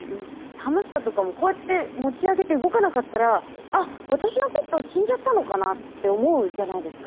ハムスターとかもこうやって持ち上げて動かなかったら「あっ私のペット死んじゃったのかな」って思うじゃないですか。